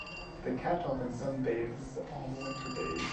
The cat often sunbathes on winter days.